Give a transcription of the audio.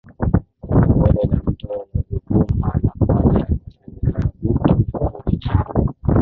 Bonde la Mto Ruvuma na Pwani ya Kusini lina mito mikuu mitano